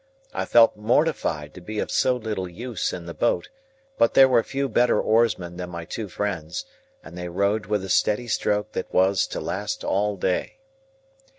I felt mortified to be of so little use in the boat; but, there were few better oarsmen than my two friends, and they rowed with a steady stroke that was to last all day.